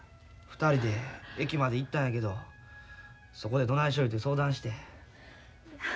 ２人で駅まで行ったんやけどそこでどないしよ言うて相談して。